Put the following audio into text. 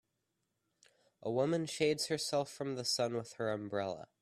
A woman shades herself from the sun with her umbrella.